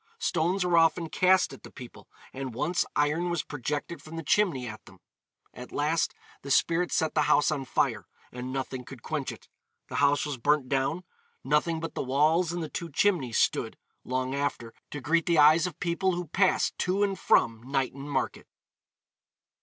Stones were often cast at the people, and once iron was projected from the chimney at them. At last the spirit set the house on fire, and nothing could quench it; the house was burnt down: nothing but the walls and the two chimneys stood, long after, to greet the eyes of people who passed to and from Knighton market.